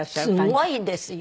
すごいですよ。